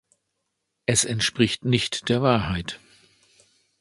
Es entspricht nicht der Wahrheit.